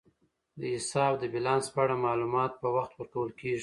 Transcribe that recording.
د حساب د بیلانس په اړه معلومات په وخت ورکول کیږي.